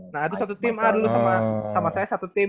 nah itu satu tim dulu sama saya satu tim